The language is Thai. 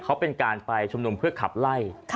เขาเป็นการไปชุมนุมเพื่อขับไล่